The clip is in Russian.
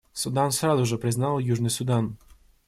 Судан сразу же признал Южный Судан.